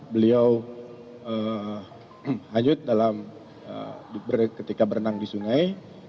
beliau hanyut ketika berenang di sungai